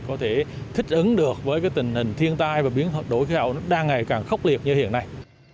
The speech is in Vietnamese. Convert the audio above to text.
có thể thích ứng được với tình hình thiên tai và biến hợp đổi khí hậu đang ngày càng khốc liệt như hiện nay